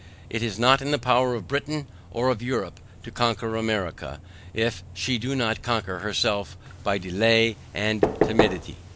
It is not in the power of Britain or of Europe to conquer America, if she do not conquer herself by DELAY and TIMIDITY.